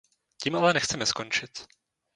Tím ale nechceme skončit.